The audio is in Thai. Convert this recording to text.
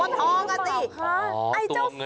ตัวเงินตัวทองอ่ะสิ